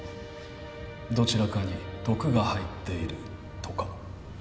どちらかに毒が入っているとか？